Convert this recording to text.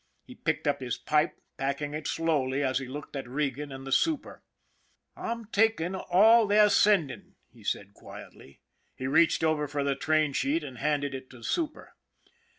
He picked up his pipe, packing it slowly as he looked at Regan and the super. " I'm taking all they're sending," he said quietly. He reached over for the train sheet and handed it to the super.